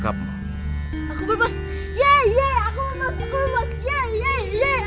aku akan menangkapmu